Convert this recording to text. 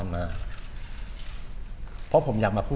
สิ่งที่เกิดขึ้นมันอาจจะเกิดขึ้นแบบนี้แต่เจตนาอย่างนี้ครับผม